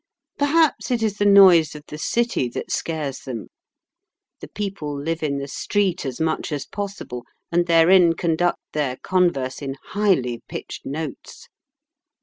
Perhaps it is the noise of the city that scares them. The people live in the street as much as possible, and therein conduct their converse in highly pitched notes.